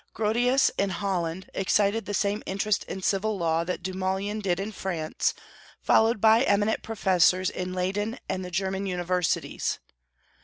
Grotius, in Holland, excited the same interest in civil law that Dumoulin did in France, followed by eminent professors in Leyden and the German universities.